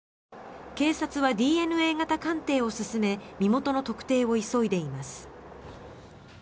警察はＤＮＡ型鑑定を進め身元の特定を急いでいます。